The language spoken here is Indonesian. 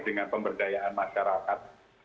dengan pemberdayaan masyarakat